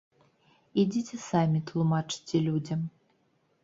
Ідзіце самі тлумачце людзям.